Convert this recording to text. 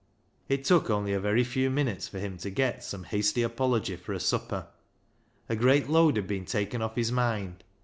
It took only a very few minutes for him to get some hasty apology for a supper. A great load had been taken off his mind.